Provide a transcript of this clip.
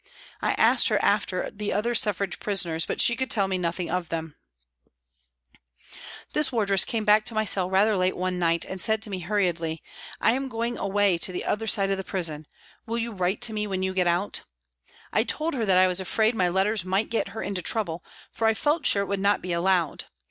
I asked her after the other Suffrage prisoners, but she could tell me nothing of them. 280 PRISONS AND PRISONERS This wardress came back to my cell rather late one day and said to me hurriedly : "I am going away to the other side of the prison. Will you write to me when you get out ?" I told her that I was afraid my letters might get her into trouble, for I felt sure it would not be allowed.